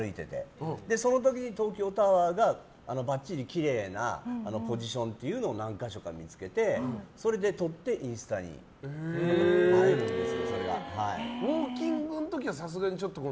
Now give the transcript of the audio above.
その時に東京タワーがばっちりきれいなポジションを何か所か見つけて、それで撮ってインスタに上げています。